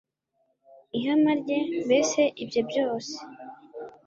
ihema rye, mbese ibye byose